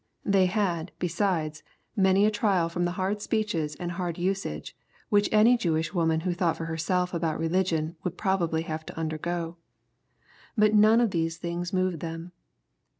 They had, be sides, many a trial from the hard speeches and hard usage which any Jewish woman who thought for herself about religion would probably have to undergo. But none of these things moved them.